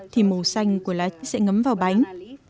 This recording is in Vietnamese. thì màu xanh của lá sẽ ngấm vào bánh